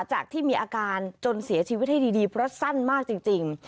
จากที่มีอาการจนเสียชีวิตให้ดีเพราะสั้นมากจริง